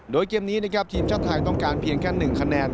โดยเกมนี้นะครับทีมชาติไทยต้องการเพียงแค่๑คะแนน